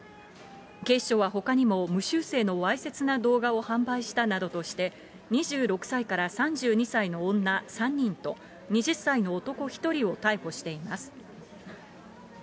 警視庁はほかにも無修正のわいせつな動画を販売したなどとして、２６歳から３２歳の女３人と、２０歳の男１人を逮捕しています。